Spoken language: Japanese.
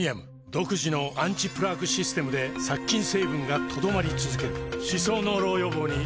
独自のアンチプラークシステムで殺菌成分が留まり続ける歯槽膿漏予防にプレミアム